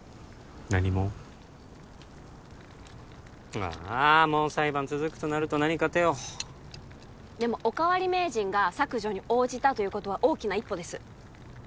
何もあーもう裁判続くとなると何か手をでもおかわり名人が削除に応じたということは大きな一歩です